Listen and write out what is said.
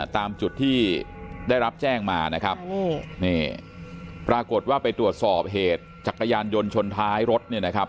ตามจุดที่ได้รับแจ้งมานะครับนี่ปรากฏว่าไปตรวจสอบเหตุจักรยานยนต์ชนท้ายรถเนี่ยนะครับ